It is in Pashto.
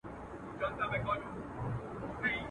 لعنتي د بنده گانو او بادار سوم.